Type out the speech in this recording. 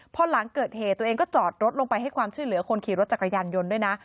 พอหลังเกิดเหตุตัวเองก็จอดรถลงไปให้ความช่วยเหลือคนขี่รถจักรยานยนต์ด้วยนะ